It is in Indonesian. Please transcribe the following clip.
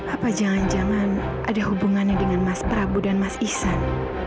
apa jangan jangan ada hubungannya dengan mas prabu dan mas isan